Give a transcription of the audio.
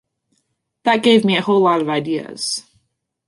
That gave me a whole lot of ideas.